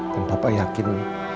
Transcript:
dan papa yakin